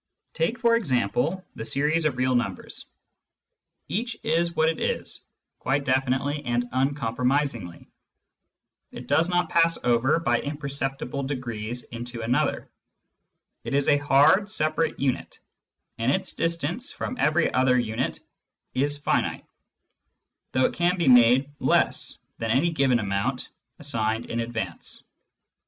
Take, for example, the series of real numbers. Each is what it is, quite definitely and uncompromisingly ; it does not pass over by imperceptible degrees into another ; it is a hard, separate unit, and its distance from every other unit is finite, though it can be made less than any given finite amount assigned in advance.